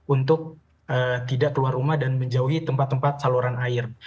untuk tidak keluar rumah dan menjauhi tempat tempat saluran air